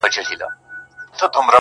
خدایه یو لا انارګل درڅخه غواړو -